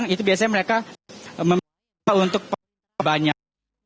itu biasanya mereka meminta untuk banyak